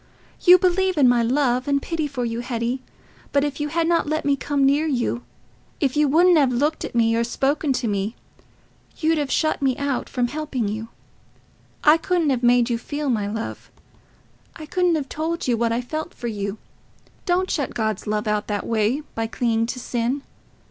You believe in my love and pity for you, Hetty, but if you had not let me come near you, if you wouldn't have looked at me or spoken to me, you'd have shut me out from helping you. I couldn't have made you feel my love; I couldn't have told you what I felt for you. Don't shut God's love out in that way, by clinging to sin....